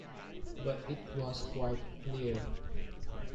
But it was quite clear.